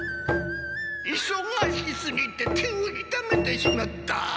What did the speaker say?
「いそがしすぎて手をいためてしまった」。